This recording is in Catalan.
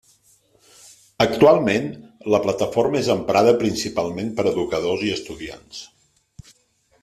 Actualment, la plataforma és emprada principalment per educadors i estudiants.